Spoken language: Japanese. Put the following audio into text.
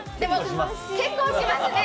結構しますね。